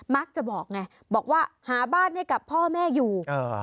มักจะบอกไงบอกว่าหาบ้านให้กับพ่อแม่อยู่